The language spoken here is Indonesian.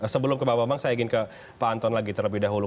sebelum ke pak bambang saya ingin ke pak anton lagi terlebih dahulu